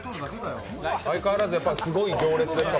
相変わらずすごい行列ですか？